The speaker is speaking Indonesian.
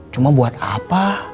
cuma buat apa